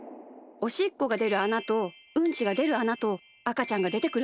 おしっこがでるあなとうんちがでるあなとあかちゃんがでてくるあな。